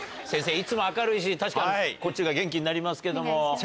いつも明るいし確かにこっちが元気になりますけども。